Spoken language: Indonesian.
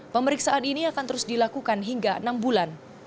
pemeriksaan ini akan terus dilakukan hingga enam bulan